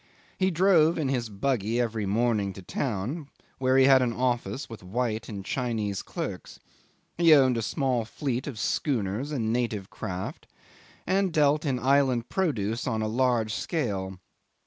He drove in his buggy every morning to town, where he had an office with white and Chinese clerks. He owned a small fleet of schooners and native craft, and dealt in island produce on a large scale.